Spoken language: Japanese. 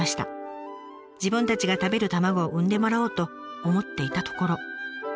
自分たちが食べる卵を産んでもらおうと思っていたところ。